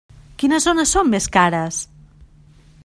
Quines zones són més cares?